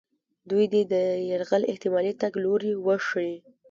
دوی دې د یرغل احتمالي تګ لوري وښیي.